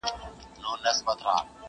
جادوګر په شپه کي وتښتېد له ښاره٫